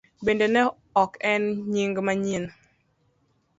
Bende ne ok en nying manyien.